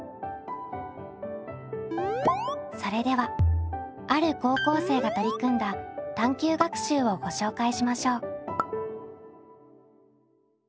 それではある高校生が取り組んだ探究学習をご紹介しましょう。